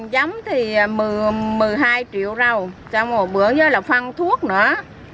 giấm thì một mươi hai triệu rau trong một bữa nhớ là phân thuốc nữa